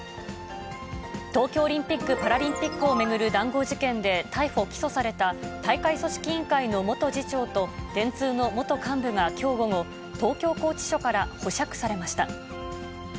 東京オリンピック・パラリンピックを巡る談合事件で逮捕・起訴された、大会組織委員会の元次長と電通の元幹部がきょう午後、東京拘置所から保釈されました。